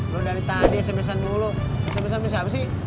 lu dari tadi semisal dulu ya